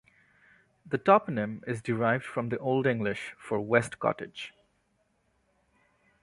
The toponym is derived from the Old English for "west cottage".